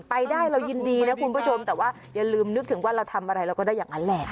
ไปได้เรายินดีนะคุณผู้ชมแต่ว่าอย่าลืมนึกถึงว่าเราทำอะไรเราก็ได้อย่างนั้นแหละ